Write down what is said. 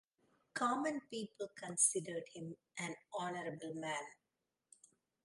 Common people considered him an honorable man.